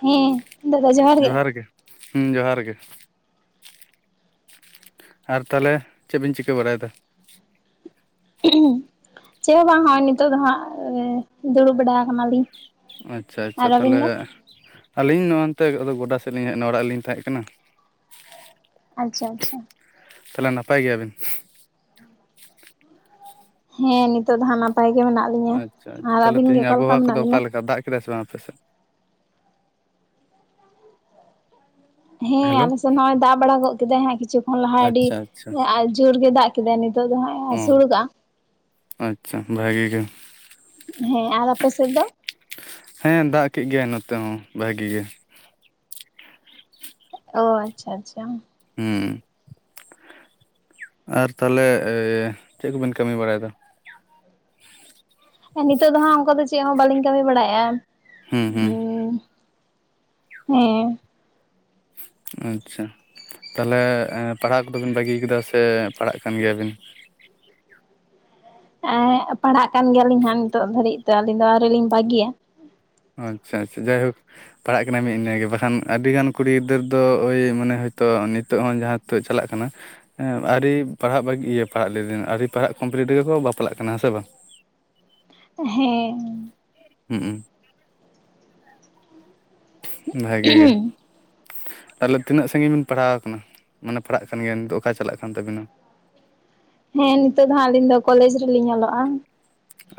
ᱦᱩᱸ ᱫᱟᱫᱟ ᱡᱚᱦᱟᱨ ᱜᱮ᱾ ᱦᱩᱸ ᱡᱚᱦᱟᱨ ᱜᱮ᱾ ᱟᱨ ᱛᱟᱦᱚᱞᱮ ᱪᱮᱫ ᱵᱤᱱ ᱪᱤᱠᱟᱹ ᱵᱟᱲᱟᱭᱫᱟ? ᱦᱩᱸ ᱩᱸ ᱪᱮᱫ ᱦᱚᱸ ᱵᱟᱝᱦᱟ ᱱᱤᱛᱚ ᱫᱚ ᱦᱟᱸᱜ ᱫᱩᱲᱩᱵ ᱵᱟᱲᱟ ᱠᱟᱱᱟᱞᱤᱧ᱾ ᱟᱪᱷᱟ ᱟᱪᱷᱟ ᱛᱟᱦᱞᱮ ᱟᱹᱞᱤᱧ ᱱᱚ-ᱚ ᱱᱚᱛᱮ ᱜᱚᱰᱟ ᱥᱮᱫ ᱞᱤᱧ ᱦᱮᱡ ᱱᱟ ᱚᱲᱟᱜ ᱨᱮ ᱞᱤᱧ ᱛᱟᱦᱮᱸ ᱠᱟᱱᱟ᱾ ᱟᱪᱪᱷᱟ ᱟᱪᱪᱷᱟ ᱾ ᱛᱟᱦᱚᱞᱮ ᱱᱟᱯᱟᱭ ᱜᱮᱭᱟ ᱵᱤᱱ? ᱦᱮᱸ ᱱᱤᱛᱚᱜ ᱫᱚ ᱦᱟᱸᱜ ᱱᱟᱯᱟᱭ ᱜᱮ ᱢᱮᱱᱟᱜ ᱞᱤᱧᱟᱹ ᱟᱪᱷᱟ ᱟᱪᱷᱟ ᱟᱨ ᱛᱟᱦᱚᱞᱮ ᱟᱹᱵᱤᱱ ᱜᱮ ᱛᱮᱦᱮᱸᱧ ᱚᱠᱟ ᱞᱮᱠᱟ ᱟᱵᱚᱦᱟᱣᱟ ᱠᱚᱫᱚ ᱢᱮᱱᱟᱜ ᱵᱤᱱᱟ ᱚᱠᱟ ᱞᱮᱠᱟ ᱫᱟᱜ ᱠᱮᱫᱟᱭ ᱥᱮ ᱵᱟᱝ ᱟᱯᱮ ᱥᱮᱫ? ᱦᱮᱸ ᱦᱮᱞᱳ ᱟᱞᱮ ᱥᱮᱫ ᱱᱚᱜ-ᱚᱭ ᱫᱟᱜ ᱵᱟᱲᱟ ᱜᱚ ᱠᱮᱫᱟᱭ ᱦᱮᱸ ᱠᱤᱪᱷᱩ ᱠᱷᱚᱱ ᱞᱟᱦᱟ ᱟᱹᱰᱤ ᱟᱪᱪᱷᱟ ᱟᱪᱪᱷᱟ ᱡᱳᱨ ᱜᱮ ᱫᱟᱜ ᱠᱮᱫᱟ ᱱᱤᱛᱚᱜ ᱫᱚ ᱦᱟᱸᱜ, ᱚᱸ ᱟᱹᱥᱩᱲ ᱠᱟᱜᱼᱟ ᱟᱪᱪᱷᱟ ᱵᱷᱟᱹᱜᱤ ᱜᱮ᱾ ᱦᱮᱸ, ᱟᱨ ᱟᱯᱮ ᱥᱮᱫ ᱫᱚ? ᱦᱮᱸ ᱫᱟᱜ ᱠᱮᱜ ᱜᱮᱭᱟᱭ ᱱᱚᱛᱮ ᱦᱚᱸ ᱵᱷᱟᱹᱜᱤ ᱜᱮ᱾ ᱚ ᱟᱪᱪᱷᱟ ᱟᱪᱪᱷᱟ᱾ ᱦᱩᱸ ᱟᱨ ᱛᱟᱦᱚᱞᱮ ᱪᱮᱫ ᱠᱚᱵᱮᱱ ᱠᱟᱹᱢᱤ ᱵᱟᱲᱟᱭᱮᱫᱟ? ᱱᱤᱛᱚᱜ ᱫᱚ ᱦᱟᱸᱜ ᱚᱱᱠᱟ ᱫᱚ ᱪᱮᱫ ᱦᱚᱸ ᱵᱟᱹᱞᱤᱧ ᱠᱟᱹᱢᱤ ᱵᱟᱲᱟᱭᱮᱜᱼᱟ᱾ ᱦᱩᱸ ᱦᱩᱸ ᱦᱮᱸ, ᱟᱪᱷᱟ ᱛᱟᱦᱞᱮ ᱯᱟᱲᱦᱟᱜ ᱠᱚᱫᱚᱵᱤᱱ ᱵᱟᱹᱜᱤ ᱠᱮᱫᱟ ᱥᱮ ᱯᱟᱲᱦᱟᱜ ᱠᱟᱱ ᱜᱮᱭᱟᱵᱤᱱ? ᱮᱸ ᱯᱟᱲᱦᱟᱜ ᱠᱟᱱ ᱜᱮᱭᱟᱞᱤᱧ ᱦᱟᱸᱜ ᱱᱤᱛᱚᱜ ᱫᱷᱟᱹᱵᱤᱡ ᱛᱮ ᱟᱹᱞᱤᱧ ᱫᱚ ᱟᱹᱣᱨᱤ ᱞᱤᱧ ᱵᱟᱹᱜᱤᱭᱟ ᱾ ᱟᱪᱪᱷᱟ ᱟᱪᱷᱟ ᱡᱟᱭᱦᱳᱠ, ᱯᱟᱲᱦᱟᱜ ᱠᱟᱱᱟᱭ ᱢᱤᱫ ᱤᱱᱟᱹᱜᱮ ᱵᱟᱠᱷᱟᱱ ᱟᱹᱰᱤᱜᱟᱱ ᱠᱩᱲᱤ ᱜᱤᱫᱟᱹᱨ ᱫᱚ ᱳᱭ ᱢᱟᱱᱮ ᱦᱳᱭᱛᱳ ᱱᱤᱛᱚᱜ ᱦᱚᱸ ᱡᱟᱦᱟᱸ ᱱᱤᱛᱚᱜ ᱪᱟᱞᱟᱜ ᱠᱟᱱᱟ, ᱦᱮᱸ ᱟᱹᱰᱤ ᱯᱟᱲᱦᱟᱜ ᱵᱟᱹᱜ ᱤᱭᱟᱹ ᱯᱟᱲᱦᱟᱜ ᱞᱮᱫᱟᱹᱧ ᱟᱹᱰᱤ ᱯᱟᱲᱦᱟᱜ ᱠᱚᱢᱯᱞᱤᱴ ᱨᱮᱜᱮ ᱠᱚ ᱵᱟᱯᱞᱟᱜ ᱠᱟᱱᱟ ᱦᱮᱸ ᱥᱮ ᱵᱟᱝ? ᱦᱮᱸ, ᱦᱩᱸ ᱩᱸ ᱵᱷᱟᱜᱮ ᱜᱮ, ᱦᱮᱸ ᱛᱟᱦᱚᱞᱮ ᱛᱤᱱᱟᱹᱜ ᱥᱟᱺᱜᱤᱧ ᱵᱤᱱ ᱯᱟᱲᱦᱟᱣ ᱠᱟᱱᱟ, ᱢᱟᱱᱮ ᱯᱟᱲᱦᱟᱜ ᱠᱟᱱ ᱜᱮᱭᱟ ᱱᱤᱛᱚᱜ ᱚᱠᱟ ᱪᱟᱞᱟᱜ ᱠᱟᱱ ᱛᱟᱹᱵᱤᱱᱟ? ᱦᱮᱸ ᱱᱤᱛᱚᱜ ᱫᱚ ᱦᱟᱸᱜ ᱟᱹᱞᱤᱧ ᱫᱚ ᱠᱚᱞᱮᱡᱽ ᱨᱮᱞᱤᱧ ᱚᱞᱚᱜᱼᱟ ᱾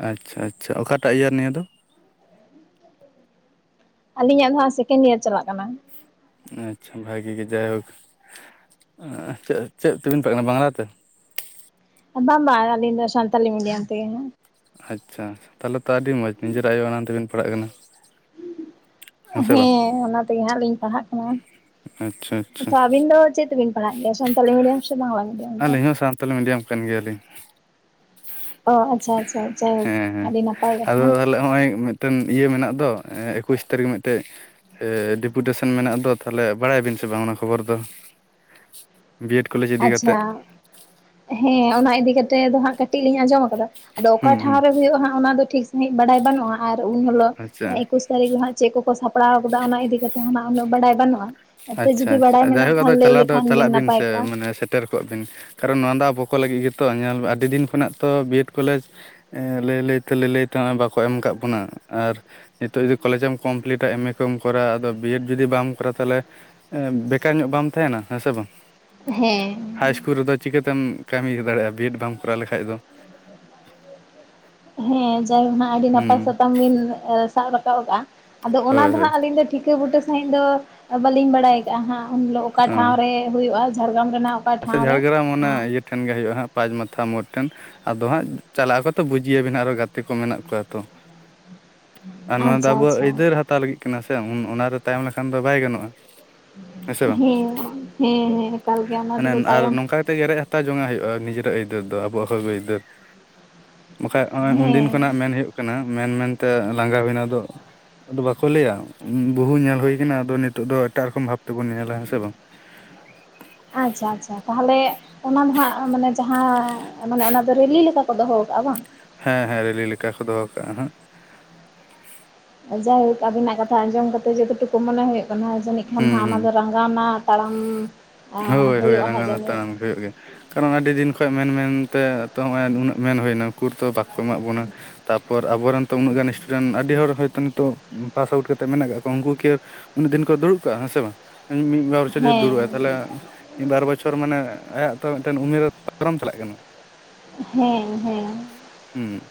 ᱟᱪᱪᱷᱟ ᱟᱪᱪᱷᱟ ᱚᱠᱟᱴᱟᱜ ᱤᱭᱟᱨ ᱱᱤᱭᱟᱹ ᱫᱚ? ᱟᱞᱤᱧᱟᱜ ᱫᱚ ᱦᱟᱸᱜ ᱥᱮᱠᱮᱱᱰ ᱤᱭᱟᱨ ᱪᱟᱞᱟᱜ ᱠᱟᱱᱟ ᱾ ᱟᱪᱪᱷᱟ ᱵᱷᱟᱜᱤ ᱜᱮ, ᱡᱟᱭᱦᱳᱠ ᱪᱮᱫ ᱛᱮᱵᱤᱱ ᱯᱟᱜ ᱠᱟᱱᱟ ᱵᱟᱝᱞᱟᱛᱮ? ᱵᱟ ᱵᱟ ᱟᱞᱤᱧ ᱥᱛᱟᱞᱤ ᱢᱤᱰᱤᱭᱟ ᱛᱮ ᱜᱮ ᱾ ᱟᱪᱪᱷᱟ ᱛᱟᱦᱚᱞᱮ ᱛᱚ ᱟᱹᱰᱤ ᱢᱚᱸᱡᱽ ᱱᱤᱡᱮᱨᱟᱜ ᱟᱭᱳ ᱟᱲᱟᱝ ᱛᱮᱵᱮᱱ ᱯᱟᱲᱦᱟᱜ ᱠᱟᱱᱟ, ᱥᱮ ᱵᱟᱝ ᱦᱮᱸ ᱚᱱᱟ ᱛᱮᱜᱮ ᱦᱟᱸᱜ ᱞᱤᱧ ᱯᱟᱲᱦᱟᱜ ᱠᱟᱱᱟ᱾ ᱟᱪᱪᱷᱟ, ᱟᱪᱪᱷᱟ ᱛᱚ ᱟᱵᱤᱱ ᱫᱚ ᱪᱮᱫ ᱛᱮᱵᱤᱱ ᱯᱟᱲᱦᱟᱜ ᱜᱮᱭᱟ ᱥᱟᱱᱛᱟᱞᱤ ᱢᱤᱰᱤᱭᱟᱢ ᱥᱮ ᱵᱟᱝᱞᱟ ᱢᱤᱰᱤᱭᱟᱢ? ᱛᱮ ᱟᱹᱞᱤᱧ ᱦᱚᱸ ᱥᱟᱱᱛᱟᱞᱤ ᱢᱤᱰᱤᱭᱟᱢ ᱾ ᱠᱟᱱ ᱜᱮᱭᱟᱞᱤᱝ ᱾ ᱚ ᱟᱪᱪᱷᱟ ᱟᱪᱪᱷᱟ ᱟᱪᱪᱷᱟ ᱟᱹᱰᱤ ᱱᱟᱯᱟᱭ ᱠᱟᱛᱷᱟ ᱾ ᱛᱟᱦᱮ ᱱᱚᱜ ᱚᱭ ᱢᱤᱫᱴᱮᱱ ᱤᱭᱟᱹ ᱢᱮᱱᱟᱜ ᱫᱚ᱾ ᱮᱠᱩᱥ ᱛᱟᱹᱨᱤᱠᱷ ᱢᱤᱫᱴᱮᱡ ᱰᱮᱯᱩᱴᱮᱥᱚᱱ ᱢᱮᱱᱟᱜ ᱫᱚ ᱾ ᱛᱟᱦᱚᱞᱮ ᱵᱟᱲᱟᱭᱟᱵᱤᱱ ᱥᱮ ᱵᱟᱝ ᱚᱱᱟ ᱠᱷᱚᱵᱚᱨ ᱫᱚ? ᱵᱤᱭᱰ ᱠᱚᱞᱮᱡᱽ ᱤᱫᱤ ᱟᱪᱪᱷᱟ, ᱠᱟᱛᱮᱫ ᱦᱮᱸ ᱚᱱᱟ ᱤᱫᱤ ᱠᱟᱛᱮᱜ ᱫᱚ ᱦᱟᱜ ᱠᱟᱹᱴᱤᱡ ᱠᱟᱹᱴᱤᱡ ᱞᱤᱧ ᱟᱸᱡᱚᱢ ᱟᱠᱟᱫᱟ, ᱟᱫᱚ ᱚᱠᱟ ᱦᱩᱸ ᱴᱷᱟᱶ ᱦᱩᱸ ᱨᱮ ᱦᱩᱭᱩᱜᱼᱟᱜ ᱚᱱᱟ ᱫᱚ ᱴᱷᱤᱠ ᱥᱟᱹᱦᱤᱡ ᱵᱟᱰᱟᱭ ᱵᱟᱹᱱᱩᱜᱼᱟ᱾ ᱟᱨ ᱩᱱ ᱦᱤᱞᱚᱜᱜ ᱟᱪᱪᱷᱟ ᱮᱠᱩᱥ ᱛᱟᱹᱨᱤᱠᱷ ᱦᱟᱸᱜ ᱪᱮᱫ ᱠᱚᱠᱚ ᱥᱟᱯᱲᱟᱣ ᱟᱠᱟᱫᱟ ᱚᱱᱟ ᱤᱫᱤ ᱠᱟᱛᱮ ᱦᱚᱸ ᱩᱱᱟᱹᱜ ᱵᱟᱰᱟᱭ ᱵᱟᱹᱱᱩᱜᱼᱟ ᱾ ᱟᱪᱪᱷᱟ ᱟᱪᱪᱷᱟ ᱡᱟᱭᱦᱳᱠ ᱟᱫᱚ ᱪᱟᱞᱟᱣ ᱫᱚ ᱞᱮᱠᱷᱟᱱ ᱪᱟᱞᱟᱜ ᱵᱤᱱ ᱱᱟᱯᱟᱭ ᱥᱮ ᱠᱚᱜᱼᱟ ᱢᱟᱱᱮ, ᱥᱮᱴᱮᱨ ᱠᱚᱜ ᱵᱤᱱ ᱠᱟᱨᱚᱱ ᱱᱚᱣᱟ ᱫᱚ ᱟᱵᱚ ᱠᱚ ᱞᱟᱹᱜᱤᱫ ᱜᱮᱛᱚ, ᱧᱮᱞ ᱟᱹᱰᱤ ᱫᱤᱱ ᱠᱷᱚᱱᱟᱜ ᱛᱚ ᱵᱤ ᱮᱰ ᱠᱚᱞᱮᱡᱽ ᱞᱟᱹᱭ ᱞᱟᱹᱭ ᱛᱮ ᱞᱟᱹᱭ ᱛᱮ ᱱᱚᱜᱼᱚᱭ ᱵᱟᱠᱚ ᱮᱢ ᱠᱟᱫ ᱵᱚᱱᱟ, ᱟᱨ ᱱᱤᱛᱚᱜ ᱡᱩᱫᱤ ᱠᱚᱞᱮᱡᱮᱢ ᱠᱚᱢᱯᱞᱤᱴᱟ ᱮᱢ ᱮ ᱠᱚᱢ ᱠᱚᱨᱟᱣᱟ ᱟᱫᱚ ᱵᱤᱮᱰ ᱡᱩᱫᱤ ᱵᱟᱢ ᱠᱚᱨᱟᱣᱟ ᱛᱟᱦᱚᱞᱮ ᱮᱸ ᱵᱮᱠᱟᱨ ᱧᱚᱜ ᱵᱟᱢ ᱛᱟᱦᱮᱱᱟ, ᱦᱮᱸ ᱥᱮ ᱵᱟᱝ? ᱦᱮᱸ᱾ ᱦᱟᱭ ᱤᱥᱠᱩᱞ ᱨᱮᱫᱚ ᱪᱤᱠᱟᱹᱛᱮᱢ ᱠᱟᱹᱢᱤ ᱫᱟᱲᱮᱭᱟᱜᱼᱟ ᱵᱤᱭᱮᱰ ᱵᱟᱢ ᱠᱚᱨᱟᱣ ᱞᱮᱠᱷᱟᱡ ᱫᱚ ᱾ ᱦᱮᱸ ᱡᱟᱭᱦᱳ ᱦᱜ ᱟᱹᱰᱤ ᱱᱟᱯᱟᱭ ᱦᱩᱸ ᱥᱟᱛᱟᱢ ᱵᱤᱱ ᱥᱟᱵ ᱨᱟᱠᱟᱵ ᱟᱠᱟᱜᱼᱟ, ᱟᱫᱚ ᱚᱱᱟ ᱦᱳᱭ ᱫᱚ ᱦᱳᱭ ᱦᱟᱸᱜ ᱟᱹᱞᱤᱧ ᱫᱚ ᱴᱷᱤᱠᱟᱹ ᱵᱩᱴᱟᱹ ᱥᱟᱺᱦᱤᱡ ᱫᱚ ᱵᱟᱟᱹᱞᱤᱧ ᱵᱟᱲᱟᱭ ᱟᱠᱟᱟᱜᱼᱟ ᱦᱟᱸᱜ ᱩᱱ ᱦᱤᱞᱳᱜ ᱚᱠᱟ ᱚ ᱴᱷᱟᱶ ᱨᱮ ᱦᱩᱭᱩᱜᱼᱟ, ᱡᱷᱟᱲᱜᱨᱟᱢ ᱨᱮᱱᱟᱜ ᱚᱠᱟ ᱟᱪᱪᱷᱟ ᱴᱷᱟᱶ ᱨᱮ ᱡᱷᱟᱲᱜᱨᱟᱢ ᱚᱱᱮ ᱤᱭᱟᱹ ᱴᱷᱮᱱ ᱜᱮ ᱦᱩᱭᱩᱜᱼᱟ ᱦᱜ ᱯᱟᱸᱪ ᱢᱟᱛᱷᱟ ᱢᱳᱲ ᱴᱷᱮᱱ ᱾ ᱟᱫᱚ ᱦᱟᱸᱜ ᱪᱟᱞᱟᱜ ᱟᱠᱚ ᱛᱚ ᱵᱩᱡᱤᱭᱟᱵᱤᱱ ᱟᱨᱚ ᱜᱟᱛᱮ ᱠᱚ ᱢᱮᱱᱟᱜ ᱠᱚᱣᱟ ᱛᱚ ᱾ ᱟᱨ ᱱᱚᱣᱟ ᱫᱚ ᱟᱪᱪᱷᱟ ᱟᱵᱚᱣᱟᱜ ᱟᱪᱪᱷᱟ ᱟᱹᱭᱫᱟᱹᱨ ᱦᱟᱛᱟᱣ ᱞᱟᱹᱜᱤᱫ ᱠᱟᱱᱟ ᱥᱮ ᱾ ᱚᱱᱟᱨᱮ ᱛᱟᱭᱚᱢ ᱞᱮᱠᱷᱟᱱ ᱫᱚ ᱵᱟᱭ ᱜᱟᱱᱚᱜᱼᱟ ᱾ ᱦᱮᱸ ᱦᱮᱸ ᱦᱮᱸ ᱾ ᱢᱟᱱᱮ ᱟᱨ ᱱᱚᱝᱠᱟ ᱠᱟᱛᱮᱜ ᱜᱮ ᱨᱮᱡ ᱦᱟᱛᱟᱣ ᱡᱚᱝᱟᱜ ᱦᱩᱭᱩᱜᱼᱟ ᱱᱤᱡᱮᱨᱟᱜ ᱟᱹᱭᱫᱟᱹᱨ ᱫᱚ ᱟᱵᱚᱣᱟᱜ ᱦᱚᱜ ᱟᱹᱭᱫᱟᱹᱨ ᱾ ᱵᱟᱠᱷᱟᱡ ᱱᱚᱜᱼᱚᱭ ᱩᱱᱫᱤᱱ ᱦᱮᱸ ᱠᱷᱚᱱᱟᱜ ᱢᱮᱱ ᱦᱩᱭᱩᱜ ᱠᱟᱱᱟ ᱢᱮᱱ ᱢᱮᱱᱛᱮ ᱞᱟᱸᱜᱟ ᱦᱩᱭᱱᱟ ᱟᱫᱚ ᱟᱫᱚ ᱵᱟᱠᱚ ᱞᱟᱹᱭᱟ ᱵᱩᱦᱩ ᱧᱮᱞ ᱦᱩᱭ ᱠᱟᱱᱟ ᱟᱫᱚ ᱱᱤᱛᱚᱜ ᱫᱚ ᱮᱴᱟᱜ ᱨᱚᱠᱚᱢ ᱵᱷᱟᱵ ᱛᱮᱵᱚᱱ ᱧᱮᱞᱟ ᱦᱮᱸ ᱥᱮ ᱵᱟᱝ? ᱟᱪᱪᱷᱟ ᱟᱪᱪᱷᱟ, ᱛᱟᱦᱚᱞᱮ ᱚᱱᱟ ᱢᱟᱦᱟᱸᱜ ᱢᱟᱱᱮ ᱡᱟᱦᱟᱸ ᱢᱟᱱᱮ ᱚᱱᱟ ᱫᱚ ᱨᱮᱞᱤ ᱞᱮᱠᱟ ᱠᱚ ᱫᱚᱦᱚ ᱠᱟᱜᱼᱟ ᱵᱟᱝ? ᱦᱮᱸ ᱦᱮᱸ ᱨᱮᱞᱤ ᱞᱮᱠᱟ ᱠᱚ ᱫᱚᱦᱚ ᱠᱟᱜᱼᱟ ᱱᱟᱦᱟᱜ᱾ ᱡᱟᱭᱦᱳᱠ ᱟᱵᱤᱱᱟᱜ ᱠᱟᱛᱷᱟ ᱟᱸᱡᱚᱢ ᱠᱟᱛᱮᱜ ᱡᱚᱛᱚ ᱴᱩᱠᱩ ᱢᱚᱱᱮ ᱦᱩᱭᱩᱜ ᱠᱟᱱᱟ ᱡᱟᱹᱱᱤᱡ ᱠᱷᱟᱱ ᱦᱩᱸ ᱦᱟᱸᱜ ᱦᱩᱸ ᱚᱱᱟ ᱫᱚ ᱨᱟᱸᱜᱟᱣᱱᱟ ᱛᱟᱲᱟᱢ ᱮᱸ ᱦᱳᱭ ᱦᱳᱭ ᱦᱩᱭᱩᱜᱼᱟ ᱦᱟᱸᱜ ᱨᱟᱸᱜᱟᱣᱱᱟ ᱡᱟᱹᱱᱤᱡ᱾ ᱛᱟᱲᱟᱢ ᱦᱩᱭᱩᱜ ᱜᱮ, ᱠᱟᱨᱚᱱ ᱟᱹᱰᱤ ᱫᱤᱱ ᱠᱷᱚᱡ ᱢᱮᱱ ᱢᱮᱱᱛᱮ ᱛᱚ ᱦᱚᱸᱜ-ᱚᱭ ᱱᱩᱱᱟᱹᱜ ᱢᱮᱱ ᱦᱩᱭᱱᱟ ᱩᱠᱩᱨ ᱛᱚ ᱵᱟᱠᱚ ᱮᱢᱟᱜ ᱵᱚᱱᱟ᱾ ᱛᱟᱯᱚᱨ ᱟᱵᱚ ᱨᱮᱱ ᱛᱚ ᱩᱱᱟᱹᱜ ᱜᱟᱱ ᱥᱴᱩᱰᱮᱱᱴ ᱟᱹᱰᱤ ᱦᱚᱲ ᱦᱚᱭᱛᱳ ᱱᱤᱛᱚᱜ ᱯᱟᱥ ᱟᱣᱩᱴ ᱠᱟᱛᱮᱜ ᱢᱮᱱᱟᱜ ᱠᱟᱜ ᱠᱚᱣᱟ ᱩᱝᱠᱩ ᱠᱤ ᱩᱱᱟᱹᱜ ᱫᱤᱱ ᱠᱚ ᱫᱩᱲᱩᱵ ᱠᱟᱜᱼᱟ ᱦᱮᱸᱥᱮ ᱵᱟᱝ? ᱢᱤᱫ ᱵᱟᱨ ᱵᱚᱪᱷᱚᱨ ᱡᱩᱫᱤ ᱦᱮᱸ ᱫᱩᱲᱩᱵᱼᱟᱭ ᱛᱟᱦᱚᱞᱮ ᱢᱤᱫ ᱵᱟᱨ ᱵᱚᱪᱷᱚᱨ ᱢᱟᱱᱮ ᱟᱭᱟᱜ ᱛᱚ ᱢᱤᱫᱴᱮᱱ ᱩᱢᱮᱨ ᱯᱚᱨᱚᱢ ᱪᱟᱞᱟᱜ ᱠᱟᱱᱟ᱾ ᱦᱮᱸ ᱦᱮᱸ᱾ ᱦᱩᱸ᱾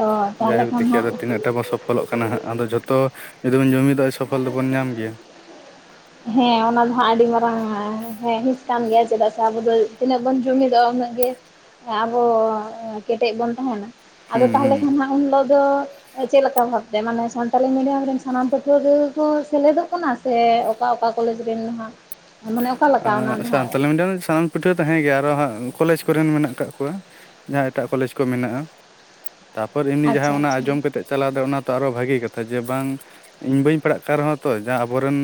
ᱚ ᱛᱟᱦᱚᱞᱮ ᱡᱟᱭᱦᱳᱠ ᱠᱷᱟᱱ ᱫᱮᱠᱷᱤ ᱟᱫᱚ ᱦᱟᱸᱜ ᱛᱤᱱᱟᱹᱜᱴᱟ ᱵᱚ ᱥᱚᱯᱷᱚᱞᱚᱜ ᱠᱟᱱᱟ ᱦᱟᱸᱜ, ᱟᱫᱚ ᱡᱚᱛᱚ ᱡᱩᱫᱤ ᱵᱚᱱ ᱡᱩᱢᱤᱫᱟ ᱥᱚᱯᱷᱚᱞ ᱫᱚᱵᱚᱱ ᱧᱟᱢ ᱜᱮᱭᱟ᱾ [unintelligible] ᱦᱮᱸ ᱚᱱᱟ ᱫᱚ ᱦᱟᱸᱜ ᱟᱹᱰᱤ ᱢᱟᱨᱟᱝ ᱦᱮᱸ ᱦᱤᱸᱥ ᱠᱟᱱ ᱜᱮᱭᱟ ᱪᱮᱫᱟᱜ ᱥᱮ ᱟᱵᱚ ᱫᱚ ᱛᱤᱱᱟᱹᱜ ᱵᱚᱱ ᱡᱩᱢᱤᱫᱚᱜᱼᱟ ᱩᱱᱟᱹᱜ ᱜᱮ ᱟᱵᱚ ᱠᱮᱴᱮᱡ ᱵᱚᱱ ᱛᱟᱦᱮᱸᱱᱟ, ᱟᱫᱚ ᱦᱩᱸ ᱛᱟᱦᱚᱞᱮ ᱦᱩᱸ ᱠᱷᱟᱱ ᱦᱟᱸᱜ ᱩᱱ ᱦᱤᱞᱳᱜ ᱫᱚ ᱠᱚ, ᱮᱸ ᱪᱮᱫ ᱞᱮᱠᱟ ᱵᱷᱟᱵᱛᱮ ᱢᱟᱱᱮ ᱥᱟᱱᱛᱟᱞᱤ ᱢᱤᱰᱤᱭᱟᱢ ᱨᱮᱱ ᱥᱟᱱᱟᱢ ᱯᱟᱹᱴᱷᱩᱣᱟᱹ ᱜᱮ ᱠᱚ ᱥᱮᱞᱮᱫᱚᱜ ᱠᱟᱱᱟ ᱥᱮ ᱚᱠᱟ ᱚᱠᱟ ᱠᱚᱞᱮᱡᱽ ᱨᱮᱱ ᱦᱟᱸᱜ ᱢᱟᱱᱮ ᱚᱠᱟ ᱞᱮᱠᱟ ᱚᱱᱟ ᱟᱸ ᱫᱚ ᱦᱟᱸᱜ ᱥᱟᱱᱛᱟᱞᱤ ᱢᱤᱰᱤᱭᱟᱢ ᱨᱮᱱ ᱥᱟᱱᱟᱢ ᱯᱟᱹᱴᱷᱩᱣᱟᱹ ᱛᱟᱦᱮᱸ ᱜᱮ, ᱟᱨᱚ ᱦᱟᱸᱜ ᱠᱚᱞᱮᱡᱽ ᱠᱚᱨᱮᱱ ᱢᱮᱱᱟᱜ ᱠᱟᱜ ᱠᱚᱣᱟ, ᱡᱟᱦᱟᱸ ᱮᱴᱟᱜ ᱠᱚᱞᱮᱡᱽ ᱠᱚ ᱢᱮᱱᱟᱜ-ᱟ᱾ ᱛᱟᱯᱚᱨ ᱮᱢᱱᱤ ᱟᱪᱪᱷᱟ ᱡᱟᱦᱟᱸ ᱚᱱᱟ ᱟᱪᱪᱷᱟ ᱟᱸᱡᱚᱢ ᱠᱟᱛᱮᱜ ᱪᱟᱞᱟᱣ ᱫᱚ ᱚᱱᱟ ᱛᱚ ᱟᱨᱚ ᱵᱷᱟᱹᱜᱤ ᱠᱟᱛᱷᱟ ᱡᱮ ᱵᱟᱝ ᱤᱧ ᱵᱟᱹᱧ ᱯᱟᱲᱦᱟᱜ ᱠᱟᱱ ᱨᱮᱦᱚᱸ ᱛᱚ ᱡᱟ ᱟᱵᱚ ᱨᱮᱱ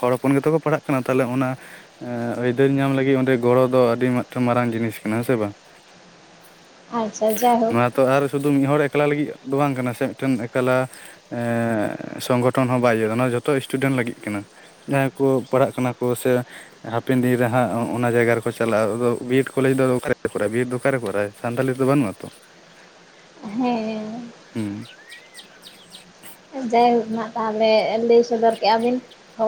ᱦᱚᱲ ᱦᱚᱯᱚᱱ ᱜᱮᱛᱚ ᱠᱚ ᱯᱟᱲᱦᱟᱜ ᱠᱟᱱᱟ ᱛᱟᱦᱚᱞᱮ ᱚᱱᱟ ᱮᱸ ᱟᱹᱭᱫᱟᱹᱨ ᱧᱟᱢ ᱞᱟᱹᱜᱤᱫ ᱚᱸᱰᱮ ᱜᱚᱲᱚ ᱫᱚ ᱟᱹᱰᱤ ᱢᱤᱫᱴᱟᱝ ᱢᱟᱨᱟᱝ ᱡᱤᱱᱤᱥ ᱠᱟᱱᱟ ᱦᱮᱸᱥᱮ ᱵᱟᱝ? ᱟᱪᱪᱷᱟ ᱡᱟᱭᱦᱳᱠ, ᱱᱚᱣᱟ ᱛᱚ ᱟᱨ ᱥᱩᱫᱩ ᱢᱤᱫ ᱦᱚᱲ ᱮᱠᱞᱟ ᱞᱟᱹᱜᱤᱫ ᱫᱚ ᱵᱟᱝ ᱠᱟᱱᱟ ᱥᱮ ᱢᱤᱫᱴᱮᱱ ᱮᱠᱟᱞᱟ ᱮᱸᱻ ᱥᱚᱝᱜᱚᱴᱷᱚᱱ ᱦᱚᱸ ᱵᱟᱭ ᱤᱭᱟᱹᱜ-ᱟ ᱚᱱᱟ ᱡᱚᱛᱚ ᱥᱴᱩᱰᱮᱱᱴ ᱞᱟᱹᱜᱤᱫ ᱠᱟᱱᱟ, ᱡᱟᱦᱟᱸᱭ ᱠᱩ ᱯᱟᱲᱦᱟᱜ ᱠᱟᱱᱟ ᱠᱚ ᱥᱮ ᱦᱟᱯᱮᱱ ᱫᱤᱱ ᱨᱮ ᱦᱟᱸᱜ ᱚᱸ ᱚᱱᱟ ᱡᱟᱭᱜᱟ ᱨᱮᱠᱚ ᱪᱟᱞᱟᱜ-ᱟ, ᱟᱫᱚ ᱵᱤᱭᱮᱰ ᱠᱚᱞᱮᱡᱽ ᱫᱚ ᱟᱫᱚ ᱚᱠᱟᱨᱮ ᱠᱚᱨᱟᱣ-ᱟ ᱵᱤᱭᱮᱰ ᱫᱚ ᱚᱠᱟ ᱨᱮ ᱠᱚᱨᱟᱭ ᱥᱟᱱᱛᱟᱞᱤ ᱫᱚ ᱵᱟᱹᱱᱩᱜ-ᱟ ᱛᱚ᱾ ᱦᱮᱸᱻ᱾ ᱦᱩᱸ᱾ [inaudible] ᱡᱟᱭᱦᱳᱠ ᱱᱟᱦᱟᱜ ᱛᱟᱦᱚᱞᱮ ᱞᱟᱹᱭ ᱥᱚᱫᱚᱨ ᱠᱮᱜ-ᱟ ᱵᱮᱱ,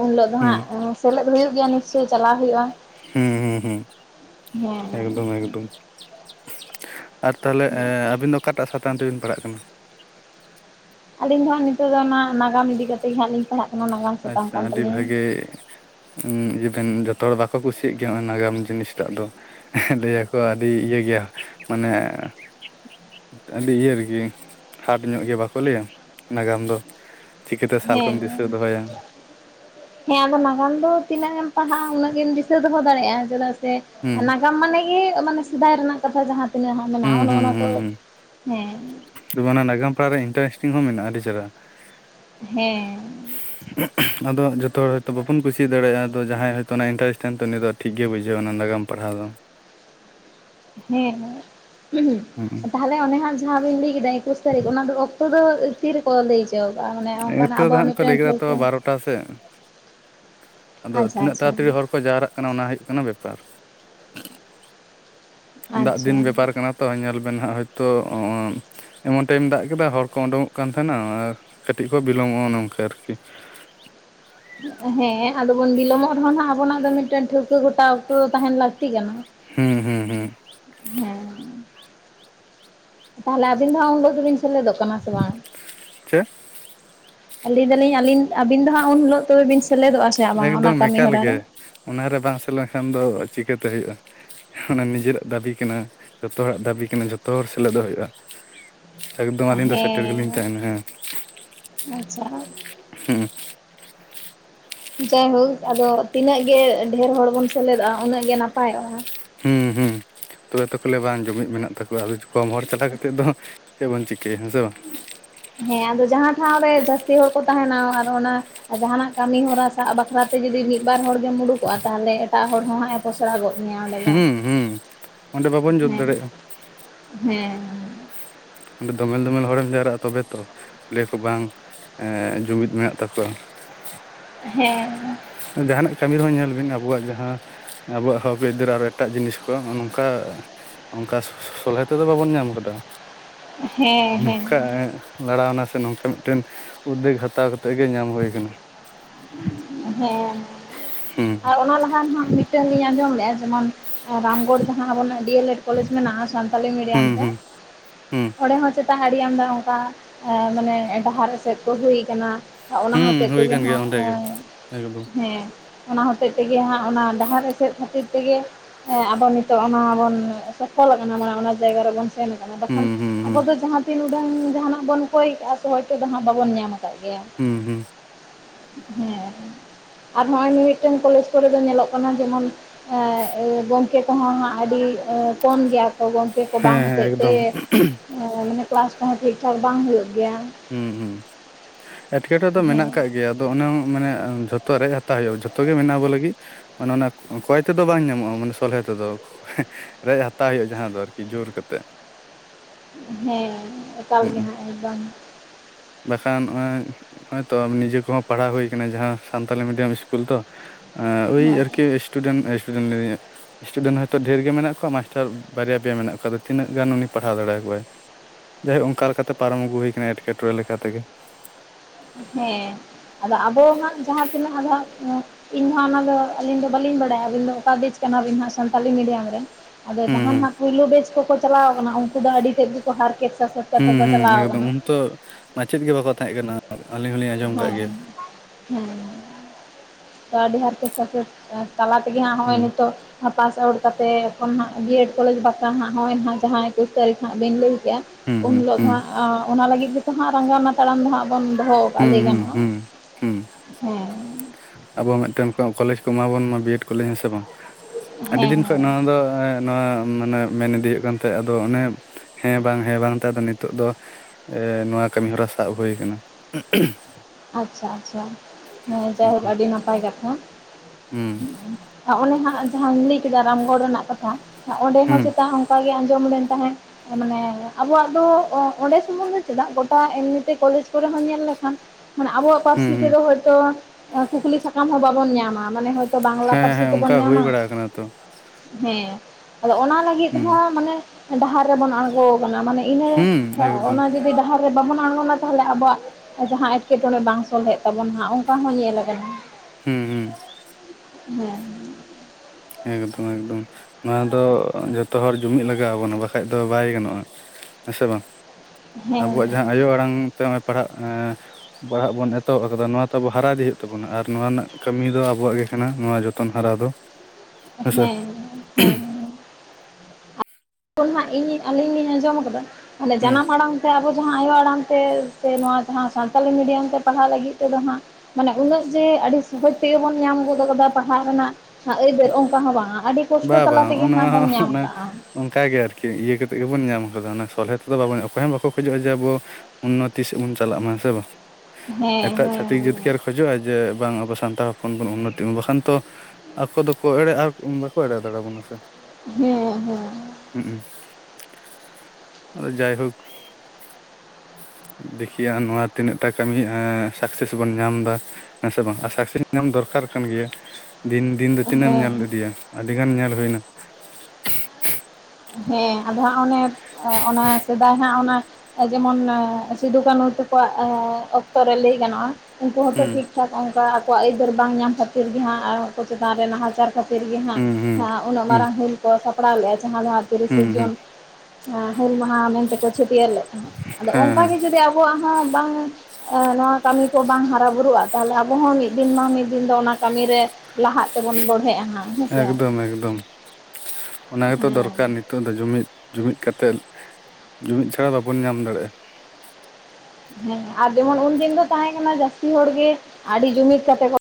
ᱩᱱ ᱦᱤᱞᱳᱜ ᱫᱚ ᱦᱩᱸ ᱦᱟᱸᱜ ᱥᱮᱞᱮᱫ ᱦᱩᱭᱩᱜ ᱜᱮᱭᱟ ᱱᱤᱥᱪᱚᱭ ᱪᱟᱞᱟᱣ ᱦᱩᱭᱩᱜ-ᱟ᱾ ᱦᱩᱸ ᱦᱩᱸ ᱦᱩᱸ, ᱮᱠᱫᱚᱢ ᱮᱠᱫᱚᱢ᱾ ᱟᱨ ᱛᱟᱦᱚᱞᱮ ᱦᱮᱸ ᱮᱸ ᱟᱵᱤᱱ ᱫᱚ ᱚᱠᱟᱴᱟᱜ ᱥᱟᱛᱟᱢ ᱛᱮᱵᱤᱱ ᱯᱟᱲᱦᱟᱜ ᱠᱟᱱᱟ? ᱟᱞᱤᱧ ᱫᱚ ᱦᱟᱸᱜ ᱱᱤᱛᱚᱜ ᱫᱚ ᱚᱱᱟ ᱱᱟᱜᱟᱢ ᱤᱫᱤ ᱠᱟᱛᱮᱜ ᱜᱮ ᱦᱟᱸᱜ ᱞᱤᱧ ᱯᱟᱲᱦᱟᱜ ᱠᱟᱱᱟ ᱱᱟᱜᱟᱢ ᱥᱟᱛᱟᱢ ᱠᱟᱱ ᱛᱟᱞᱤᱧ᱾ ᱮ ᱩᱸ ᱡᱮᱵᱮᱱ ᱡᱚᱛᱚ ᱦᱚᱲ ᱵᱟᱠᱚ ᱠᱩᱥᱤᱭᱟᱜ ᱜᱮᱭᱟ ᱚᱱᱟ ᱱᱟᱜᱟᱢ ᱡᱤᱱᱤᱥ ᱴᱟᱜ ᱫᱚ ᱾ ᱞᱟᱹᱭᱟᱠᱚ ᱟᱹᱰᱤ ᱤᱭᱟᱹ ᱜᱮᱭᱟ ᱢᱟᱱᱮ ᱟᱹᱰᱤ ᱤᱭᱟᱹ ᱟᱨᱠᱤ, ᱦᱟᱴ ᱧᱚᱜ ᱜᱮᱭᱟ ᱵᱟᱠᱚ ᱞᱟᱹᱭᱟ ᱱᱟᱜᱟᱢ ᱫᱚ? ᱪᱤᱠᱟᱹᱛᱮ ᱥᱟᱞ ᱦᱮᱸ ᱠᱚᱢ ᱫᱤᱥᱟᱹ ᱫᱚᱦᱚᱭᱟ᱾ ᱦᱮᱸ ᱟᱫᱚ ᱱᱟᱜᱟᱢ ᱫᱚ ᱛᱤᱱᱟᱹᱜ ᱜᱮᱢ ᱯᱟᱲᱦᱟᱜ-ᱟ ᱾ ᱩᱱᱟᱹᱜ ᱜᱮᱢ ᱫᱤᱥᱟᱹ ᱫᱚᱦᱚᱸ ᱫᱟᱲᱮᱭᱟᱜ-ᱟ ᱾ ᱪᱮᱫᱟᱜ ᱥᱮ ᱦᱩᱸ ᱱᱟᱜᱟᱢ ᱢᱟᱱᱮ ᱜᱮ ᱢᱟᱱᱮ ᱥᱮᱫᱟᱭ ᱨᱮᱱᱟᱜ ᱠᱟᱛᱷᱟ ᱡᱟᱦᱟᱸ ᱛᱤᱱᱟᱹᱜ ᱦᱟᱸᱜ ᱦᱩᱸ ᱢᱮᱱᱟᱜ-ᱟ᱾ ᱚᱱᱮ ᱦᱩᱸ ᱚᱱᱟ ᱠᱚ ᱦᱩᱸ ᱦᱩᱸ ᱦᱮᱸ ᱛᱚᱵᱮ ᱚᱱᱟ ᱱᱟᱜᱟᱢ ᱯᱟᱲᱦᱟᱜ ᱨᱮ, ᱤᱱᱴᱟᱨᱮᱥᱴᱤᱝ ᱦᱚᱸ ᱢᱮᱱᱟᱜ-ᱟ᱾ ᱟᱹᱰᱤ ᱪᱮᱦᱨᱟ᱾ ᱦᱮᱸ ᱟᱫᱚ ᱡᱚᱛᱚ ᱦᱚᱲ ᱦᱚᱭᱛᱳ ᱵᱟᱵᱚᱱ ᱠᱩᱥᱤᱭ ᱫᱟᱲᱮᱭᱟᱜ-ᱟ ᱾ ᱟᱫᱚ ᱡᱟᱦᱟᱸᱭ ᱦᱚᱳᱭᱛᱳ ᱚᱱᱟ ᱤᱱᱴᱟᱨᱮᱥᱴ ᱛᱟᱦᱮᱱ ᱛᱚ ᱩᱱᱤ ᱫᱚ ᱴᱷᱤᱠ ᱜᱮ ᱵᱩᱡᱷᱟᱹᱣᱟ ᱾ ᱚᱱᱟ ᱱᱟᱜᱟᱢ ᱯᱟᱲᱦᱟᱣ ᱫᱚ᱾ ᱦᱮᱸ ᱦᱩᱸ ᱦᱮᱸ ᱛᱟᱦᱚᱞᱮ ᱚᱱᱮᱦᱟᱜ ᱡᱟᱦᱟᱸ ᱵᱮᱱ ᱞᱟᱹᱭ ᱠᱮᱫᱟ᱾ ᱮᱠᱩᱥ ᱛᱟᱹᱨᱤᱠᱷ ᱚᱱᱟ ᱫᱚ ᱩᱱᱠᱩ ᱫᱚ ᱛᱤ ᱨᱮᱠᱚ ᱞᱟᱹᱭ ᱦᱚᱪᱚᱸ ᱠᱟᱜ-ᱟ᱾ ᱢᱟᱱᱮ ᱚᱱᱠᱟᱱᱟᱜ ᱱᱤᱛᱚᱜ ᱫᱚ ᱟᱵᱚᱣᱟᱜ ᱦᱟᱸᱜ ᱠᱚ ᱞᱟᱹᱭ ᱢᱤᱫᱴᱮᱱ ᱠᱮᱫᱟ ᱛᱚ ᱴᱷᱟᱹᱣᱠᱟᱹ ᱵᱟᱨᱚᱴᱟ ᱥᱮᱫ ᱟᱫᱚ ᱟᱪᱪᱷᱟ ᱛᱤᱱᱟᱹᱜ ᱟᱪᱪᱷᱟ ᱛᱟᱲᱟᱛᱟᱲᱤ ᱦᱚᱲ ᱠᱚ ᱡᱟᱣᱨᱟᱜ ᱠᱟᱱᱟ ᱾ ᱚᱱᱟ ᱦᱩᱭᱩᱼᱜ ᱠᱟᱱᱟ ᱵᱮᱯᱟᱨ᱾ ᱫᱟᱜ ᱟᱪᱪᱷᱟ ᱫᱤᱱ ᱵᱮᱯᱟᱨ ᱠᱟᱱᱟ ᱛᱚ᱾ ᱧᱮᱞ ᱵᱮᱱ ᱦᱟᱸᱜ ᱦᱚᱭ ᱛᱳ ᱚᱸ ᱚᱸ ᱮᱢᱚᱱ ᱴᱟᱭᱤᱢ ᱫᱟᱜ ᱠᱮᱫᱟ ᱦᱚᱲ ᱠᱚ ᱩᱸᱰᱩᱠᱚᱜ ᱠᱟᱱ ᱛᱟᱦᱮᱱᱟ ᱾ ᱟᱨ ᱠᱟᱹᱴᱤᱡ ᱠᱚ ᱵᱤᱞᱚᱢᱚᱜ-ᱟ ᱾ᱚᱱᱮ ᱚᱝᱠᱟ ᱟᱨᱠᱤ ᱦᱮᱸ ᱟᱫᱚ ᱵᱚᱱ ᱵᱤᱞᱚᱢᱚᱜ ᱨᱮᱦᱚᱸ ᱱᱷᱟᱜ ᱟᱵᱚᱱᱟᱜ, ᱫᱚ ᱢᱤᱫᱴᱮᱱ ᱴᱷᱟᱹᱣᱠᱟᱹ ᱜᱷᱚᱴᱟᱣ ᱚᱠᱛᱚ ᱫᱚ ᱛᱟᱦᱮᱱ ᱞᱟᱹᱠᱛᱤᱜ ᱠᱟᱱᱟ᱾ ᱦᱩᱸ ᱦᱩᱸ ᱦᱩᱸ ᱦᱮᱸ ᱛᱟᱦᱚᱞᱮ ᱟᱹᱵᱤᱱ ᱫᱚ ᱦᱟᱸᱜ ᱩᱱ ᱦᱤᱞᱚᱜ ᱫᱚᱵᱮᱱ ᱥᱮᱞᱮᱫᱚ-ᱜ ᱠᱟᱱᱟ᱾ ᱥᱮ ᱵᱟᱝ? ᱪᱮᱫ ᱞᱟᱹᱭ ᱫᱟᱹᱞᱤᱧ ᱟᱹᱞᱤᱧ, ᱟᱹᱵᱤᱱ ᱫᱚ ᱦᱟᱸᱜ ᱩᱱ ᱦᱤᱞᱳᱜ ᱛᱚᱵᱮ ᱵᱤᱱ ᱥᱮᱞᱮᱫᱚᱜ-ᱟ᱾ ᱥᱮ ᱦᱟᱸᱜ ᱵᱟᱝ ᱚᱱᱟ ᱠᱟᱹᱢᱤ ᱦᱚᱨᱟ ᱨᱮ? ᱚᱱᱟ ᱨᱮ ᱵᱟᱝ ᱥᱮᱱ ᱞᱮᱱᱠᱷᱟᱱ ᱫᱚ ᱪᱤᱠᱟᱹᱛᱮ ᱦᱩᱭᱩᱜ-ᱟ᱾ ᱚᱱᱟ ᱱᱤᱡᱮᱨᱟᱜ ᱫᱟᱹᱵᱤ ᱠᱟᱱᱟ᱾ ᱡᱚᱛᱚ ᱦᱚᱲᱟᱜ ᱫᱟᱹᱵᱤ ᱠᱟᱱᱟ᱾ ᱡᱚᱛᱚ ᱦᱚᱲ ᱥᱮᱞᱮᱫᱚ-ᱜ ᱦᱩᱭᱩᱜ-ᱟ᱾ ᱮᱠᱫᱚᱢ ᱟᱹᱞᱤᱧ ᱫᱚ ᱥᱮᱴᱮᱨ ᱦᱮᱸ ᱜᱮᱞᱤᱧ ᱛᱟᱦᱮᱱᱟ ᱾ᱦᱮᱸ ᱟᱪᱪᱷᱟ ᱦᱩᱸ ᱡᱟᱭᱦᱳᱠ, ᱟᱫᱚ ᱛᱤᱱᱟᱹᱜ ᱜᱮ ᱰᱷᱮᱨ ᱦᱚᱲ ᱵᱚᱱ ᱥᱮᱞᱮᱫᱚᱜ-ᱟ ᱾ᱩᱱᱟᱹᱜ ᱜᱮ ᱱᱟᱯᱟᱭᱚᱜ-ᱟ᱾ ᱦᱩᱸ ᱦᱩᱸ ᱛᱚᱵᱮ ᱛᱚ ᱠᱚ ᱞᱟᱹᱭᱟ, ᱵᱟᱝ ᱡᱩᱢᱤᱫ ᱢᱮᱱᱟᱜ ᱛᱟᱠᱚᱣᱟ ᱾ᱟᱫᱚ ᱠᱚᱢ ᱦᱚᱲ ᱪᱟᱞᱟᱣ ᱠᱟᱛᱮᱜ ᱫᱚ ᱦᱟᱸᱜ ᱪᱮᱫ ᱵᱚᱱ ᱪᱤᱠᱟᱹᱭᱟ ᱦᱮᱸ ᱥᱮ ᱵᱟᱝ? ᱦᱮᱸ ᱟᱫᱚ ᱡᱟᱦᱟᱸ ᱴᱷᱟᱶ ᱨᱮ, ᱡᱟᱹᱥᱛᱤ ᱦᱚᱲ ᱠᱚ ᱛᱟᱦᱮᱱᱟ ᱾ᱟᱨ ᱚᱱᱟ ᱟᱨ ᱡᱟᱦᱟᱱᱟ-ᱜ ᱠᱟᱹᱢᱤᱦᱚᱨᱟ ᱥᱟᱵ ᱵᱟᱠᱷᱨᱟ ᱛᱮ, ᱡᱩᱫᱤ ᱢᱤᱫ ᱵᱟᱨ ᱦᱚᱲ ᱜᱮᱢ ᱩᱰᱩᱠᱚᱜ-ᱟ ᱾ᱛᱟᱦᱚᱞᱮ ᱮᱴᱟᱜ ᱦᱚᱲ ᱦᱚᱸ ᱦᱟᱸᱜ-ᱮ ᱯᱚᱥᱲᱟᱜ ᱜᱚᱫ ᱢᱮᱭᱟ ᱚᱸᱰᱮ ᱫᱚ, ᱦᱩᱸ ᱦᱩᱸ ᱚᱸᱰᱮ ᱵᱟᱵᱚᱱ ᱡᱩᱛ ᱦᱮᱸ ᱫᱟᱲᱮᱭᱟᱜᱼᱟ ᱦᱮᱸ ᱚᱸᱰᱮ ᱫᱚᱢᱮᱞ - ᱫᱚᱢᱮᱞ ᱦᱚᱲᱮᱢ ᱡᱟᱣᱨᱟᱜᱼᱟ᱾ ᱛᱚᱵᱮ ᱛᱚ ᱞᱟᱭ ᱟᱠᱚ ᱵᱟᱝ ᱮᱸ ᱡᱩᱢᱤᱫ ᱢᱮᱱᱟᱜ ᱛᱟᱠᱚᱣᱟ᱾ ᱦᱮᱸ ᱡᱟᱦᱟᱱᱟ-ᱜ ᱠᱟᱹᱢᱤ ᱨᱮᱦᱚᱸ ᱧᱮᱞ ᱵᱤᱱ, ᱟᱵᱚᱣᱟᱜ ᱡᱟᱦᱟᱸ ᱟᱵᱚᱣᱟ-ᱜ ᱦᱚᱠ ᱟᱹᱭᱫᱟᱹᱨ ᱟᱨ ᱮᱴᱟᱜ ᱡᱤᱱᱤᱥ ᱠᱚ ᱾ᱱᱚᱝᱠᱟ ᱚᱱᱠᱟ ᱥᱚᱞᱦᱮ ᱛᱮᱫᱚ ᱵᱟᱵᱚᱱ ᱧᱟᱢ ᱠᱟᱫᱟ ᱦᱮᱸ ᱦᱮᱸ ᱱᱚᱝᱠᱟ᱾ ᱱᱳᱠᱟ ᱞᱟᱲᱟᱣᱱᱟ ᱥᱮ ᱱᱚᱝᱠᱟ ᱢᱤᱫᱴᱮᱱ ᱩᱫᱭᱮᱜᱽ ᱦᱟᱛᱟᱣ ᱠᱟᱛᱮᱫ ᱜᱮ ᱧᱟᱢ ᱦᱩᱭ ᱟᱠᱟᱱᱟ ᱦᱮᱸ ᱦᱩᱸ ᱾ ᱟᱨ ᱚᱱᱟ ᱞᱟᱦᱟ ᱦᱟᱸᱜ ᱢᱤᱫᱴᱝ ᱞᱤᱧ ᱟᱸᱡᱚᱢ ᱞᱮᱜᱼᱟ ᱾ᱡᱮᱢᱚᱱ ᱨᱟᱢᱜᱚᱲ ᱡᱟᱦᱟᱸ ᱟᱵᱚᱱᱟᱜ ᱰᱤ ᱮᱞ ᱮᱰ ᱠᱚᱞᱮᱡᱽ ᱢᱮᱱᱟᱜᱼᱟ᱾ ᱥᱟᱱᱛᱟᱞᱤ ᱢᱤᱰᱤᱭᱟᱢ ᱦᱩᱸ ᱛᱮ, ᱦᱩᱸ ᱦᱩᱸ ᱚᱸᱰᱮ ᱦᱚᱸ ᱪᱮᱫ ᱟᱰᱤ ᱟᱢᱫᱟ ᱚᱱᱠᱟ, ᱢᱟᱱᱮ ᱰᱟᱦᱟᱨ ᱮᱥᱮᱫ ᱠᱚ ᱦᱩᱭ ᱟᱠᱟᱱᱟ᱾ ᱚᱱᱟ ᱦᱩᱸ ᱦᱚᱛᱮᱜ ᱦᱩᱭ ᱛᱮᱜᱮ ᱠᱟᱱ ᱜᱮᱭᱟ ᱦᱟᱸᱜ ᱚᱸᱰᱮ ᱜᱮ ᱮᱠᱫᱚᱢ ᱦᱮᱸ ᱚᱱᱟ ᱦᱚᱛᱮᱜ ᱛᱮᱜᱮ ᱦᱟᱸᱜ, ᱚᱱᱟ ᱰᱟᱦᱟᱨ ᱮᱥᱮᱫ ᱠᱷᱟᱹᱛᱤᱨ ᱛᱮᱜᱮ ᱦᱮᱸ ᱟᱵᱚ ᱱᱤᱛᱚᱜ ᱚᱱᱟ ᱵᱚᱱ ᱥᱚᱯᱷᱚᱞᱚᱜ ᱠᱟᱱᱟ᱾ ᱢᱟᱱᱮ ᱚᱱᱟ ᱡᱟᱭᱜᱟ ᱨᱮᱵᱚᱱ ᱥᱮᱱ ᱠᱟᱱᱟ, ᱵᱟᱠᱷᱟᱱ ᱦᱩᱸ ᱦᱩᱸ ᱟᱵᱚ ᱦᱩᱸ ᱫᱚ ᱡᱟᱦᱟᱸ ᱛᱤᱱ ᱡᱟᱦᱟᱱᱟᱜ ᱵᱚᱱ ᱠᱚᱭ ᱠᱟᱜᱼᱟ ᱾ ᱥᱮ ᱦᱚᱭᱛᱳ ᱫᱚ ᱦᱟᱸᱟᱜ ᱵᱟᱵᱚᱱ ᱧᱟᱢ ᱟᱠᱟᱫ ᱜᱮᱭᱟ᱾ ᱦᱩᱸ ᱦᱩᱸ ᱦᱩᱸ ᱟᱨ ᱦᱚᱜ ᱚᱭ ᱢᱤᱢᱤᱫᱴᱮᱱ ᱠᱚᱞᱮᱮᱡ ᱠᱚᱨᱮ ᱫᱚ ᱧᱮᱞᱚᱜ ᱠᱟᱱᱟ ᱡᱮᱢᱚᱱ ᱦᱮᱸ ᱜᱚᱝᱠᱮ ᱠᱚᱦᱚᱸ ᱦᱟᱸᱜ ᱟᱹᱰᱤ ᱠᱚᱢ ᱜᱮᱭᱟ᱾ ᱜᱚᱝᱠᱮ ᱠᱚ ᱦᱮᱸ ᱵᱟᱝ ᱦᱮᱸ ᱦᱚᱛᱮᱡ ᱛᱮ, ᱮᱠᱫᱚᱢ ᱢᱟᱱᱮ ᱠᱮᱞᱟᱥ ᱠᱚᱦᱚᱸ ᱴᱷᱤᱠ ᱴᱷᱟᱠ ᱵᱟᱝ ᱦᱩᱭᱩᱜ ᱜᱮᱭᱟ᱾ ᱦᱩᱸ ᱦᱩᱸ ᱮᱴᱠᱮᱴᱚᱲᱮ ᱫᱚ ᱢᱮᱱᱟᱜ ᱦᱮᱸ ᱟᱠᱟᱜ ᱜᱮᱭᱟ᱾ ᱟᱫᱚ ᱚᱱᱟ ᱦᱚᱸ ᱢᱟᱱᱮ ᱡᱷᱚᱛᱚ ᱨᱮᱡ ᱦᱟᱛᱟᱣ ᱦᱩᱭᱩᱜ-ᱟ ᱡᱷᱚᱛᱚ ᱜᱮ ᱢᱮᱱᱟᱜ ᱟᱵᱚ ᱞᱟᱹᱜᱤᱫ᱾ ᱢᱟᱱᱮ ᱚᱱᱮ ᱚᱱᱟ ᱠᱷᱚᱭ ᱛᱮᱫᱚ ᱵᱟᱝ ᱧᱟᱢᱚᱜ-ᱟ ᱢᱟᱱᱮ ᱥᱚᱞᱦᱮ ᱛᱮᱫᱚ᱾ ᱨᱮᱡ ᱦᱟᱛᱟᱣ ᱦᱩᱭᱩᱜ-ᱟ ᱡᱟᱦᱟᱸ ᱫᱚ ᱟᱨᱠᱤ ᱡᱳᱨ ᱠᱟᱛᱮᱫ᱾ ᱦᱮᱸ ᱮᱠᱟᱞ ᱜᱮ ᱦᱩᱸ ᱦᱟᱸᱜ ᱮᱠᱫᱚᱢ, ᱵᱟᱠᱷᱟᱱ ᱱᱚᱜ-ᱚᱭ ᱦᱚᱭᱛᱚ ᱱᱤᱡᱮ ᱠᱚᱦᱚᱸ ᱯᱟᱲᱦᱟᱣ ᱦᱩᱭ ᱠᱟᱱᱟ ᱡᱟᱦᱟᱸ ᱥᱟᱱᱛᱟᱞᱤ ᱢᱤᱰᱤᱭᱟᱢ ᱤᱥᱠᱩᱞ ᱛᱚ᱾ ᱳᱭ ᱦᱮᱸ ᱟᱨᱠᱤ ᱥᱴᱩᱰᱮᱱᱴ ᱮᱴᱩᱰᱮᱱᱴ ᱞᱟᱹᱭ ᱫᱟᱧ ᱥᱴᱩᱰᱮᱱᱴ ᱦᱚᱭᱛᱳ ᱰᱷᱮᱨ ᱜᱮ ᱢᱮᱱᱟᱜ ᱠᱚᱣᱟ ᱢᱟᱥᱴᱟᱨ ᱵᱟᱨᱭᱟ ᱯᱮᱭᱟ ᱢᱮᱱᱟᱜ ᱠᱚᱣᱟ ᱟᱫᱚ ᱛᱤᱱᱟᱹᱜ ᱜᱟᱱ ᱩᱱᱤ ᱯᱟᱲᱦᱟᱣ ᱫᱟᱲᱮ ᱟᱠᱚᱣᱟᱭ? ᱡᱟᱭ ᱦᱳᱠ ᱚᱱᱠᱟ ᱞᱮᱠᱟᱛᱮ ᱯᱟᱨᱚᱢ ᱟᱹᱜᱩ ᱦᱩᱭ ᱟᱠᱟᱱᱟ ᱮᱴᱠᱮᱴᱚᱬᱮ ᱞᱮᱠᱟ ᱛᱮᱜᱮ᱾ ᱦᱮᱸ ᱟᱫᱚ ᱟᱵᱚ ᱦᱟᱸᱜ ᱡᱟᱦᱟᱸᱛᱤᱱᱟᱹᱜ ᱤᱧ ᱦᱚᱸ ᱚᱱᱟ ᱫᱚ ᱟᱹᱞᱤᱧ ᱫᱚ ᱵᱟᱹᱞᱤᱧ ᱵᱟᱲᱟᱭᱟ ᱟᱹᱵᱤᱱ ᱫᱚ ᱚᱠᱟ ᱵᱮᱡ ᱠᱟᱱᱟ ᱵᱤᱱ ᱦᱟᱸᱜ ᱥᱟᱱᱛᱟᱞᱤ ᱢᱤᱰᱤᱭᱟᱢ ᱨᱮᱱ? ᱟᱫᱚ ᱡᱟᱦᱟ ᱦᱩᱸ ᱦᱩᱸ ᱦᱟᱸᱜ ᱯᱩᱭᱞᱩ ᱵᱮᱪ ᱠᱚᱠᱚ ᱪᱟᱞᱟᱣ ᱟᱠᱟᱱᱟ ᱩᱱᱠᱩ ᱫᱚ ᱟᱹᱰᱤ ᱛᱮᱫ ᱜᱮᱠᱚ ᱦᱟᱨᱠᱮᱛ ᱥᱟᱥᱮᱛ ᱠᱟᱛᱮ ᱠᱚ ᱪᱟᱞᱟᱣ ᱟᱠᱟᱱᱟ᱾ ᱛᱚ ᱢᱟᱪᱮᱫ ᱜᱮ ᱵᱟᱠᱚ ᱛᱟᱦᱮᱸ ᱠᱟᱱᱟ ᱟᱹᱞᱤᱧ ᱦᱚᱞᱤᱧ ᱟᱸᱡᱚᱢ ᱠᱟᱜ ᱜᱮᱭᱟ᱾ ᱦᱮᱸ ᱦᱮᱸ ᱟᱹᱰᱤ ᱦᱟᱨᱠᱮᱛ ᱥᱟᱥᱮᱛ ᱛᱟᱞᱟ ᱛᱮᱜᱮ ᱦᱟᱸᱜ ᱱᱚᱜ-ᱚᱭ ᱦᱩᱸ ᱱᱤᱛᱚᱜ ᱯᱟᱥ ᱟᱣᱩᱴ ᱠᱟᱛᱮ ᱮᱠᱷᱚᱱ ᱦᱟᱸᱜ ᱵᱤᱭᱮᱰ ᱠᱚᱞᱮᱡ ᱵᱟᱠᱷᱨᱟ ᱦᱟᱸᱜ ᱡᱟᱦᱟᱸᱭ ᱮᱠᱩᱥ ᱛᱟᱨᱤᱠᱷ ᱦᱟᱸᱜ ᱵᱤᱱ ᱞᱟᱹᱭ ᱠᱮᱫᱟ, ᱦᱩᱸ ᱩᱱ ᱦᱩᱸ ᱦᱤᱞᱳᱜ ᱫᱚ ᱦᱩᱸ ᱦᱟᱸᱜ ᱚᱱᱟ ᱞᱟᱹᱜᱤᱫ ᱜᱮᱛᱚ ᱦᱟᱸᱜ ᱨᱟᱸᱜᱟᱣᱱᱟ ᱛᱟᱲᱟᱢ ᱫᱚ ᱦᱟᱸᱜ ᱵᱚᱱ ᱫᱚᱦᱚ ᱠᱟᱜ-ᱟ ᱦᱩᱸ ᱞᱟᱹᱭ ᱦᱩᱸ ᱜᱟᱱᱚᱜ-ᱟ᱾ ᱦᱩᱸ ᱦᱩᱸ ᱦᱮᱸ ᱟᱵᱚ ᱢᱤᱫᱴᱮᱱ ᱠᱚᱞᱮᱡ ᱠᱚ ᱮᱢᱟᱵᱚᱱ ᱢᱟ ᱵᱤᱭᱮᱰ ᱠᱚᱞᱮᱡ ᱦᱮᱸ ᱥᱮ ᱵᱟᱝ᱾ ᱟᱹᱰᱤ ᱦᱮᱸ ᱫᱤᱱ ᱠᱷᱚᱡ ᱦᱮᱸ ᱱᱚᱣᱟ ᱫᱚ ᱱᱚᱣᱟ ᱢᱟᱱᱮ ᱢᱮᱱ ᱤᱫᱤᱭ ᱦᱩᱭᱩᱜ ᱠᱟᱱ ᱛᱟᱦᱮᱸᱜ ᱟᱫᱚ ᱚᱱᱮ ᱦᱮᱸ ᱵᱟᱝ ᱦᱮᱸ ᱵᱟᱝ ᱛᱟᱦᱮᱸ ᱟᱫᱚ ᱱᱤᱛᱚᱜ ᱫᱚ ᱮᱸ ᱱᱚᱣᱟ ᱠᱟᱹᱢᱤ ᱦᱚᱨᱟ ᱥᱟᱵ ᱦᱩᱭᱩ ᱟᱠᱟᱱᱟ᱾ ᱟᱪᱪᱷᱟ ᱟᱪᱪᱷᱟ, ᱦᱮᱸ ᱡᱟᱭ ᱦᱩᱸ ᱦᱳᱠ ᱟᱹᱰᱤ ᱱᱟᱯᱟᱭ ᱠᱟᱛᱷᱟ᱾ ᱦᱩᱸ ᱚᱱᱮ ᱦᱟᱸᱜ ᱡᱟᱦᱟᱢ ᱞᱟᱹᱭ ᱠᱮᱫᱟ ᱨᱟᱢᱜᱚᱲ ᱨᱮᱱᱟᱜ ᱠᱟᱛᱷᱟ ᱚᱸᱰᱮ ᱦᱚᱸ ᱦᱩᱸ ᱪᱮᱛᱟ ᱚᱱᱠᱟᱜ ᱜᱮ ᱟᱸᱡᱚᱢ ᱞᱮᱱ ᱛᱟᱦᱮᱸᱫ, ᱢᱟᱱᱮ ᱟᱵᱚᱣᱟᱜ ᱫᱚ ᱚᱸᱰᱮ ᱥᱩᱢᱩᱝ ᱫᱚ ᱪᱮᱫᱟᱜ ᱜᱚᱴᱟ ᱮᱢᱱᱤᱛᱮ ᱠᱚᱞᱮᱡ ᱠᱚᱨᱮ ᱦᱚᱸ ᱧᱮᱞ ᱞᱮᱠᱷᱟᱱ ᱢᱟᱱᱮ ᱟᱵᱚᱣᱟᱜ ᱦᱩᱸ ᱯᱟᱹᱨᱥᱤ ᱦᱩᱸ ᱛᱮᱫᱚ ᱦᱚᱭᱛᱚ ᱠᱩᱠᱞᱤ ᱥᱟᱠᱟᱢ ᱦᱚᱸ ᱵᱟᱵᱚᱱ ᱧᱟᱢᱟ, ᱢᱟᱱᱮ ᱵᱟᱝᱞᱟ ᱦᱮᱸ ᱯᱟᱹᱨᱥᱤ ᱦᱮᱸ ᱚᱱᱠᱟ ᱛᱮᱵᱚᱱ ᱦᱩᱭ ᱧᱟᱢᱟ, ᱵᱟᱲᱟ ᱟᱠᱟᱱᱟ ᱛᱚ ᱦᱮᱸ ᱟᱫᱚ ᱚᱱᱟ ᱞᱟᱹᱜᱤᱫ ᱦᱩᱸ ᱦᱚᱸ ᱢᱟᱱᱮ ᱰᱟᱦᱟᱨ ᱨᱮᱵᱚᱱ ᱟᱲᱜᱚᱱ ᱢᱟᱱᱮ ᱤᱱᱟᱹ ᱦᱩᱸ ᱮᱠᱫᱚᱢ ᱚᱱᱟ ᱡᱩᱫᱤ ᱰᱟᱦᱟᱨ ᱨᱮ ᱵᱟᱵᱚᱱ ᱟᱬᱜᱚᱱᱟ ᱛᱟᱦᱚᱞᱮ ᱟᱵᱚᱣᱟᱜ ᱡᱟᱦᱟᱸ ᱮᱴᱠᱮᱴᱚᱬᱮ ᱵᱟᱝ ᱥᱚᱞᱦᱮᱜ ᱛᱟᱵᱚᱱᱟ ᱦᱟᱸᱜ ᱚᱱᱠᱟ ᱦᱚᱸ ᱧᱮᱞ ᱟᱠᱟᱱᱟ᱾ ᱦᱩᱸ ᱦᱩᱸ, ᱦᱮᱸ, ᱮᱠᱫᱚᱢ ᱮᱠᱫᱚᱢ ᱱᱚᱣᱟ ᱫᱚ ᱡᱷᱚᱛᱚ ᱦᱚᱲ ᱡᱩᱢᱤᱫ ᱞᱟᱜᱟᱣ ᱵᱚᱱᱟ ᱵᱟᱠᱷᱟᱡ ᱫᱚ ᱵᱟᱭ ᱜᱟᱱᱚᱜ-ᱟ᱾ ᱦᱮᱸ ᱥᱮ ᱵᱟᱝ ᱟᱵᱚᱣᱟᱜ ᱦᱮᱸ ᱡᱟᱦᱟᱸ ᱟᱭᱳ ᱟᱲᱟᱝ ᱛᱮ ᱱᱚᱜ-ᱚᱭ ᱯᱟᱲᱦᱟᱜ ᱯᱟᱲᱦᱟᱜ ᱵᱚᱱ ᱮᱛᱚᱦᱚᱵ ᱟᱠᱟᱫᱟ ᱱᱚᱣᱟ ᱛᱚ ᱟᱵᱚ ᱦᱟᱨᱟ ᱤᱫᱤ ᱦᱩᱭᱩᱜ ᱛᱟᱵᱚᱱᱟ ᱟᱨ ᱱᱚᱣᱟ ᱨᱮᱱᱟᱜ ᱠᱟᱹᱢᱤ ᱫᱚ ᱟᱵᱚᱣᱟᱜ ᱜᱮ ᱠᱟᱱᱟ, ᱱᱚᱣᱟ ᱡᱚᱛᱚ ᱡᱚᱛᱚᱱ ᱦᱟᱨᱟᱣ ᱫᱚ, ᱦᱮᱸᱥᱮ ᱦᱮᱸ ᱦᱮᱸ ᱦᱮ [unintelligible] ᱸ ᱤᱧᱤᱧ ᱟᱹᱞᱤᱧ ᱞᱤᱧ ᱟᱸᱡᱚᱢ ᱟᱠᱟᱫᱟ, ᱟᱞᱮ ᱦᱩᱸ ᱡᱟᱱᱟᱢ ᱟᱲᱟᱝ ᱟᱵᱚ ᱡᱟᱦᱟᱸ ᱟᱭᱳ ᱟᱲᱟᱝ ᱛᱮ ᱥᱮ ᱱᱚᱣᱟ ᱡᱟᱦᱟᱸ ᱥᱟᱱᱛᱟᱞᱤ ᱢᱤᱰᱤᱭᱟᱢ ᱛᱮ ᱯᱟᱲᱦᱟᱜ ᱞᱟᱹᱜᱤᱫ ᱛᱮᱫᱚ ᱦᱟᱸᱜ ᱢᱟᱱᱮ ᱩᱱᱟᱹᱜ ᱡᱮ ᱟᱹᱰᱤ ᱥᱚᱦᱚᱡ ᱛᱮᱜᱮ ᱵᱚᱱ ᱧᱟᱢ ᱜᱚᱫ ᱠᱟᱫᱟ ᱯᱟᱲᱦᱟᱜ ᱨᱮᱱᱟᱜ ᱦᱟᱸᱜ ᱟᱹᱭᱫᱟᱹᱨ ᱚᱱᱠᱟ ᱦᱚᱸ ᱵᱟᱝᱟ ᱟᱹᱰᱤ ᱠᱚᱥᱴᱚ ᱛᱟᱞᱟ ᱛᱮᱜᱮ ᱦᱟᱸᱜ ᱵᱚᱱ ᱧᱟᱢ ᱠᱟᱜ-ᱟ᱾ ᱚᱱᱠᱟ ᱜᱮ ᱟᱨᱠᱤ ᱤᱭᱟᱹ ᱠᱟᱛᱮᱜ ᱜᱮᱵᱚᱱ ᱧᱟᱢ ᱠᱟᱫᱟ, ᱚᱱᱟ ᱥᱚᱞᱦᱮ ᱛᱮᱫᱚ ᱵᱟᱵᱚᱱ ᱚᱠᱚᱭ ᱦᱚᱸ ᱵᱟᱠᱚ ᱠᱷᱚᱡᱚᱜ-ᱟ ᱡᱮ ᱟᱵᱚ ᱩᱱᱱᱚᱛᱤ ᱥᱮᱫ ᱵᱚᱱ ᱪᱟᱞᱟᱜ ᱢᱟ ᱦᱮᱸ ᱥᱮ ᱵᱟᱝ ᱦᱮᱸ ᱮᱴᱟᱜ ᱦᱮᱸ ᱪᱷᱟᱹᱛᱤᱠ ᱡᱟᱹᱛ ᱠᱤ ᱟᱨ ᱠᱷᱚᱡᱚᱜ-ᱟ ᱡᱮ ᱵᱟᱝ ᱟᱵᱚ ᱥᱟᱱᱛᱟᱲ ᱦᱚᱯᱚᱱ ᱵᱚᱱ ᱩᱱᱱᱚᱛᱤᱜ ᱢᱟ ᱵᱟᱠᱷᱟᱱ ᱛᱚ ᱟᱠᱚ ᱫᱚᱠᱚ ᱮᱲᱮᱜ-ᱟ᱾ ᱵᱟᱠᱚ ᱮᱲᱮ ᱫᱟᱲᱮᱭᱟ ᱵᱚᱱᱟ ᱥᱮ᱾ ᱦᱮᱸ ᱦᱮᱸ᱾ ᱦᱩᱸ-ᱩ ᱟᱫᱚ ᱡᱟᱭᱦᱳᱠᱼᱼ ᱫᱮᱠᱷᱤ ᱟᱨ ᱱᱚᱣᱟ ᱛᱤᱱᱟᱹᱜ ᱴᱟ ᱠᱟᱹᱢᱤ ᱥᱟᱠᱥᱮᱥ ᱵᱚᱱ ᱧᱟᱢ ᱮᱫᱟ᱾ ᱦᱮᱸ ᱥᱮ ᱵᱟᱝ ᱟᱨ ᱥᱟᱠᱥᱮᱥ ᱧᱟᱢ ᱫᱚᱨᱠᱟᱨ ᱠᱟᱱ ᱜᱮᱭᱟ᱾ ᱫᱤᱱ ᱫᱤᱱ ᱫᱚ ᱛᱤᱱᱟᱹᱜ ᱮᱢ ᱧᱮᱞ ᱦᱮᱸ ᱤᱫᱤᱭᱟ ᱟᱹᱰᱤ ᱜᱟᱱ ᱧᱮᱞ ᱦᱩᱭ ᱮᱱᱟᱼᱼ ᱦᱮᱸ ᱟᱫᱚ ᱦᱟᱸᱜ ᱚᱱᱮ ᱚᱱᱟ ᱥᱮᱫᱟᱭ ᱦᱟᱸᱜ ᱚᱱᱟᱼᱼ ᱡᱮᱢᱚᱱ ᱥᱤᱫᱩ ᱠᱟᱹᱱᱩ ᱛᱟᱠᱚᱣᱟᱜ ᱚᱠᱛᱚ ᱨᱮ ᱞᱟᱹᱭ ᱜᱟᱱᱚᱜᱼᱟ ᱩᱱᱠᱩ ᱦᱚᱸᱛᱚ ᱦᱩᱸ ᱴᱷᱤᱠᱼᱼ ᱴᱷᱤᱠ ᱴᱷᱟᱠ ᱚᱱᱠᱟ ᱟᱠᱚᱣᱟᱜ ᱟᱹᱭᱫᱟᱹᱨ ᱵᱟᱝ ᱧᱟᱢ ᱠᱷᱟᱹᱛᱤᱨ ᱜᱮ ᱦᱟᱸᱜ ᱟᱨ ᱩᱱᱠᱩ ᱪᱮᱛᱟᱱ ᱨᱮ ᱱᱟᱦᱟ ᱪᱟᱨ ᱠᱷᱛᱤᱨᱼᱼ ᱠᱷᱟᱹᱛᱤᱨ ᱜᱮ ᱦᱟᱸᱜ ᱦᱩᱸ ᱦᱩᱸ ᱡᱟᱸᱦᱟ ᱩᱱᱟᱹᱜ ᱦᱩᱸ ᱢᱟᱨᱟᱝ ᱦᱩᱞ ᱠᱚ ᱥᱟᱯᱲᱟᱣ ᱞᱮᱜᱼᱟ ᱡᱟᱦᱟᱸ ᱫᱚ ᱦᱟᱸᱜ ᱛᱤᱨᱤᱥᱮ ᱦᱩᱸ ᱦᱩᱸ ᱡᱩᱱᱼᱼ ᱦᱩᱞ ᱢᱟᱦᱟ ᱢᱮᱱᱛᱮᱠᱚ ᱪᱷᱟᱹᱴᱭᱟᱹᱨ ᱞᱮᱫ ᱛᱟᱦᱮᱸᱫ ᱟᱫᱚ ᱦᱮᱸ ᱚᱱᱠᱟᱜᱮ ᱡᱚᱫᱤ ᱟᱵᱚᱣᱟᱜ ᱦᱚᱸ ᱵᱟᱝᱼᱼ ᱱᱚᱣᱟ ᱠᱟᱹᱢᱤ ᱠᱚ ᱵᱟᱝ ᱦᱟᱨᱟ ᱵᱩᱨᱩᱜᱼᱟ ᱛᱟᱦᱚᱞᱮ ᱟᱵᱚᱦ ᱦᱚᱸ ᱢᱤᱫ ᱫᱤᱱ ᱵᱟᱝ ᱢᱤᱫ ᱫᱤᱱ ᱫᱚ ᱚᱱᱟᱼᱼ ᱠᱟᱹᱢᱤᱨᱮ ᱞᱟᱦᱟᱜ ᱛᱮᱵᱚᱱ ᱵᱚᱲᱦᱮᱜᱼᱟ ᱦᱮᱸᱥᱮ ᱦᱮᱸ ᱵᱟᱝ? ᱮᱠᱫᱚᱢ ᱮᱠᱫᱚᱢ ᱚᱱᱟ ᱜᱮᱛᱚ ᱫᱚᱨᱠᱟᱨ ᱱᱤᱛᱚᱜ ᱫᱚ ᱡᱩᱢᱤᱫᱼᱼ ᱡᱩᱢᱤᱫ ᱠᱟᱛᱮᱫ ᱡᱩᱢᱤᱫ ᱪᱷᱟᱲᱟ ᱵᱟᱵᱚᱱ ᱧᱟᱢ ᱫᱟᱲᱮᱭᱟᱜᱼᱟ᱾ ᱦᱮᱸ ᱟᱨ ᱡᱮᱢᱚᱱ ᱩᱱᱫᱤᱱ ᱫᱚ ᱛᱟᱦᱮᱸ ᱠᱟᱱᱟ ᱡᱟᱹᱥᱛᱤ ᱦᱚᱲᱜᱮ ᱟᱹᱰᱤ ᱡᱩᱢᱤᱫ ᱠᱟᱛᱮ ᱠᱚᱼᱼ